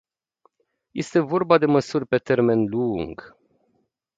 Este vorba de măsuri pe termen lung.